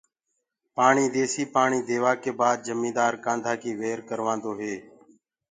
پاڻي ديسي پآڻي ديوآ ڪي بآد جميدآر ڪآنڌآ ڪي وير ڪروآندو هي.